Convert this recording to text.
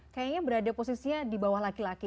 kayaknya berada posisinya di bawah laki laki